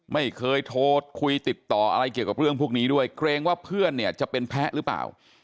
ไม่เคยโทรคุยติดต่ออะไรเกี่ยวกับเรื่องพวกนี้ด้วยเกรงว่าเพื่อนเนี่ยจะเป็นแพ้หรือเปล่า